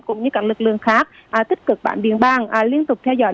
cũng như các lực lượng khác tích cực bản biên bàn liên tục theo dõi